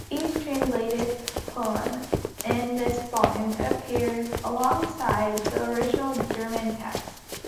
Each translated poem in this volume appears alongside the original German text.